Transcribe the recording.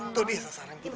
tuh dia sasaran kita